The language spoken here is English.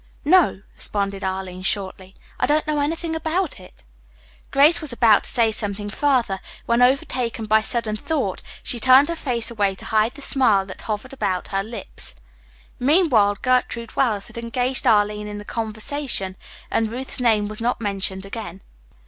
"No," responded Arline shortly. "I don't know anything about it." Grace was about to say something further when, overtaken by sudden thought, she turned her face away to hide the smile that hovered about her lips. Meanwhile, Gertrude Wells had engaged Arline in conversation, and Ruth's name was not mentioned again.